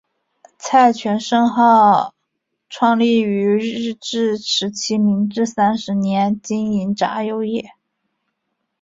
蔡泉盛号创立于日治时期明治三十年经营榨油业。